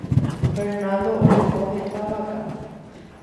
Fernando oreko heta vaka.